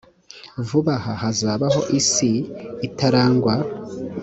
vuba aha hazabaho isi itarangwa